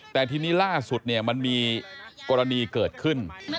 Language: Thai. แต่ทีนี้ล่าสุดเนี่ยมันมีกรณีเกิดขึ้น